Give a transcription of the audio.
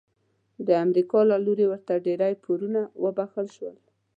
د امریکا له لوري ورته ډیری پورونه وبخښل شول.